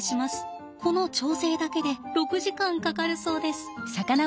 この調整だけで６時間かかるそうです。